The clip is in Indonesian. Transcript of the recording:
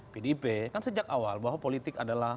pdip kan sejak awal bahwa politik adalah